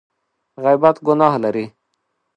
غیبت ګناه لري !